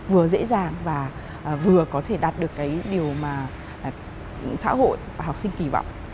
vừa dễ dàng và vừa có thể đạt được cái điều mà xã hội và học sinh kỳ vọng